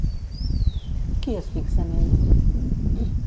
Qui es fixa en ell?